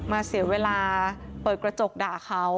เสียเวลาเปิดกระจกด่าเขา